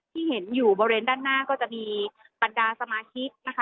ที่เห็นอยู่บริเวณด้านหน้าก็จะมีบรรดาสมาชิกนะคะ